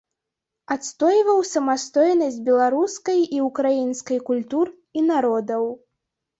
Адстойваў самастойнасць беларускай і ўкраінскай культур і народаў.